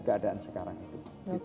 keadaan sekarang itu